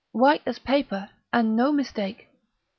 white as paper, and no mistake!